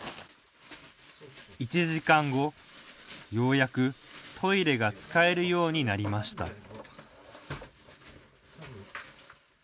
１時間後、ようやくトイレが使えるようになりました